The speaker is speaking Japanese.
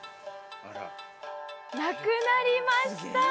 なくなりました！